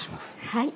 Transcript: はい。